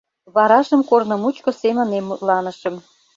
Варажым корно мучко семынем мутланышым.